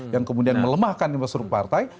yang kemudian melemahkan infrastruktur partai